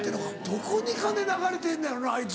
どこに金流れてんのやろなあいつ。